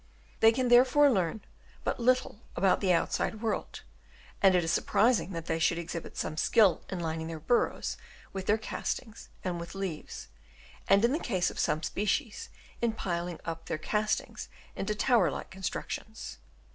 They can therefore learn but little about the outside world, and it is surprising that they should exhibit some skill in linino their burrows with their castings and with leaves, and in the case of some species in piling up their castings into tower like constructions.